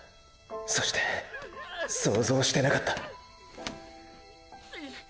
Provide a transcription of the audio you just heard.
そして想像してなかったーー。